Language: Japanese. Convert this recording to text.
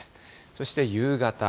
そして夕方。